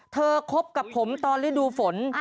คบกับผมตอนฤดูฝน